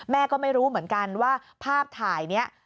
แม่ก็ไม่รู้เหมือนกันว่าภาพถ่ายนี้